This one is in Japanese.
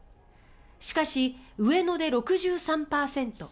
しかし、上野で６３％